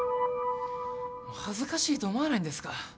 恥ずかしいと思わないんですか？